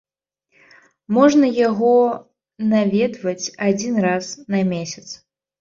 Можна яго наведваць адзін раз на месяц.